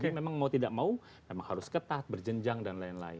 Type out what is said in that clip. jadi memang mau tidak mau memang harus ketat berjenjang dan lain lain